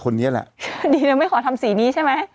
เลยอยากทำสีผมบ้าง